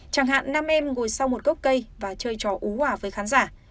chẳng hạn nam em ngồi sau một gốc cây và chơi trò ú hòa với khán giả